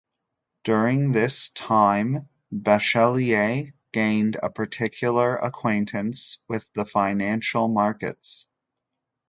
During this time Bachelier gained a practical acquaintance with the financial markets.